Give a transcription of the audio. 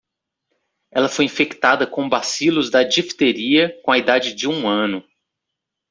Ela foi infectada com bacilos da difteria com a idade de um ano.